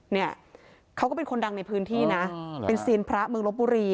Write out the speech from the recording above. เนี่ยเขาก็เป็นคนดังในพื้นที่นะเป็นเซียนพระเมืองลบบุรี